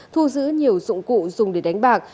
thu giữ nhiều dụng cụ dùng để đánh bạc